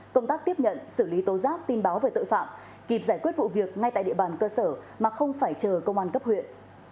công tác tiếp nhận xử lý tố giác tin báo về tội phạm kịp giải quyết vụ việc ngay tại địa bàn cơ sở mà không phải chờ công an cấp huyện